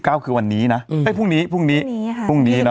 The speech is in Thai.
เก้าคือวันนี้นะฮือทุ่งนี้ทุ่งนี้พรุ่งนี้น่ะ